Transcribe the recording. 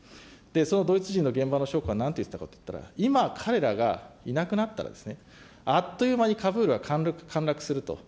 そのドイツ人の現場の将校はなんて言ったかというと、今彼らがいなくなったら、あっという間にカブールは陥落すると。